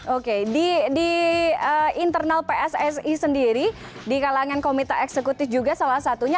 oke di internal pssi sendiri di kalangan komite eksekutif juga salah satunya